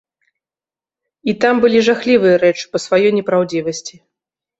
І там былі жахлівыя рэчы па сваёй непраўдзівасці.